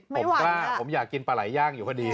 ผมกล้าผมอยากกินปลาไหลย่างอยู่พอดี